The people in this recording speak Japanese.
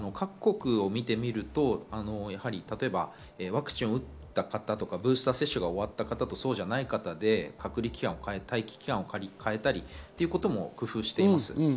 各国を見てみるとワクチンを打った方やブースター接種が終わった方、そうじゃない方で隔離期間を待機期間を変えたりということも工夫しています。